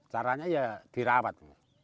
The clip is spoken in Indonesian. caranya ya dirawat